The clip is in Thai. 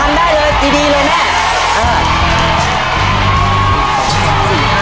อย่าให้เสร็จก่อนนะแม่นะ